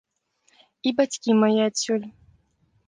І бацькі мае адсюль.